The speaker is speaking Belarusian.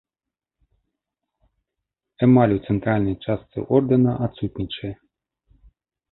Эмаль у цэнтральнай частцы ордэна адсутнічае.